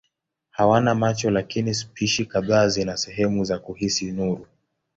Hawana macho lakini spishi kadhaa zina sehemu za kuhisi nuru.